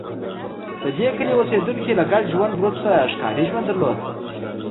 د دې کلي اوسېدونکي له ګډ ژوند وروسته ښکاري ژوند درلود